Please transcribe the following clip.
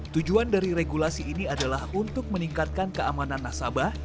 tujuan dari regulasi ini adalah untuk meningkatkan keamanan nasabah